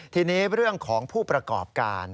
ทีนี้เรื่องของผู้ประกอบการ